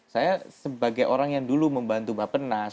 saya sebagai orang yang dulu membantu bapenas